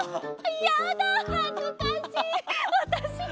やだはずかしい！